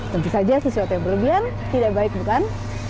tentu saja sesuatu yang berlebihan tidak baik bukan